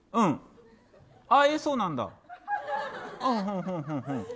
えっ、そうなんだ？